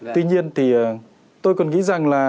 tuy nhiên thì tôi còn nghĩ rằng là